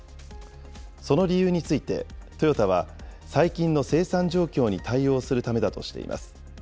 その理由についてトヨタは、最近の生産状況に対応するためだとしています。